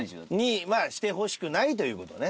にしてほしくないという事ね。